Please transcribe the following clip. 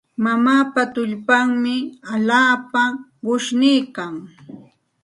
Mamaapa tullpan allaapa qushniikan.